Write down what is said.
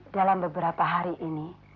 dalam beberapa hari ini